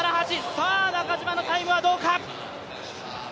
さあ中島のタイムはどうか？